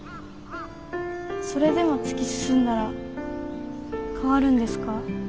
それでも突き進んだら変わるんですか？